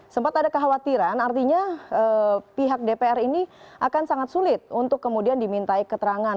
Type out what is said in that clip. sempat ada kekhawatiran artinya pihak dpr ini akan sangat sulit untuk kemudian dimintai keterangan